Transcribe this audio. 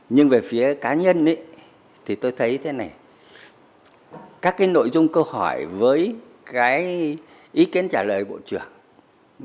nhưng về phía cá nhân thì tôi thấy thế này các cái nội dung câu hỏi với cái ý kiến trả lời bộ trưởng